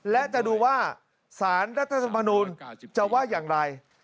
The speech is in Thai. และจะดูว่าสารรัฐธรรมนูลจะว่าอย่างไร